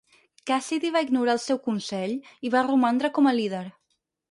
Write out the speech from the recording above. Cassidy va ignorar el seu consell i va romandre com a líder.